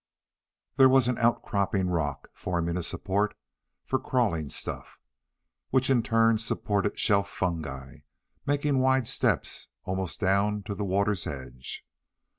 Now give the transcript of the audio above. There was an outcropping rock forming a support for crawling stuff, which in turn supported shelf fungi making wide steps almost down to the water's edge.